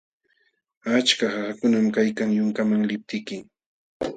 Achka qaqakunam kaykalkan yunkaman liptiyki.